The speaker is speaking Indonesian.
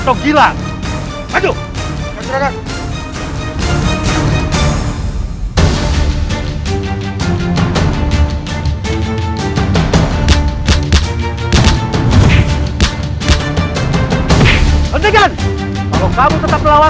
sebelum terjadi apa apa dengannya